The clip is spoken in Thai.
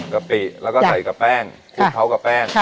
กะปิแล้วก็ใส่กับแป้งคลุกเคล้ากับแป้ง